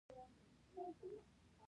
مېلمه ته د زړښت ښکلا ورکړه.